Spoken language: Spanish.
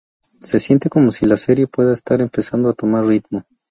Se siente como si la serie puede estar empezando a tomar ritmo.